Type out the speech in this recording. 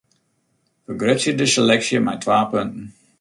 Fergrutsje de seleksje mei twa punten.